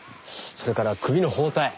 それから首の包帯。